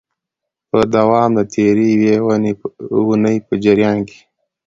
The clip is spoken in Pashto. په دوام د تیري یوې اونۍ په جریان کي